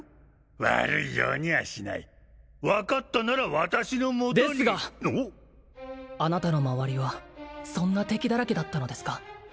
悪いようにはしない分かったなら私のもとにですがあなたの周りはそんな敵だらけだったのですか？